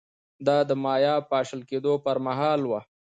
دا د مایا پاشل کېدو پرمهال و